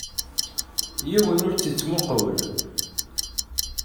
Yiwen ur tt-ittmuqqul.